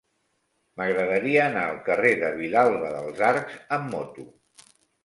M'agradaria anar al carrer de Vilalba dels Arcs amb moto.